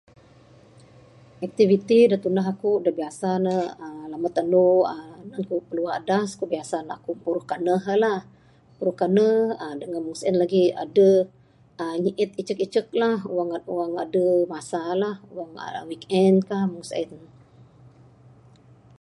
Aktiviti da tundah aku da biasa ne, aaa..lambat andu, aaa.. ku piluah adas. Biasa ne aku puruh kanuh lah, puruh kanuh, aaa.. dengan mung sien lagi aduh aa... nyiet icuk - icuk lah, wang wang aduh masa lah wang weekend kah, mung sien.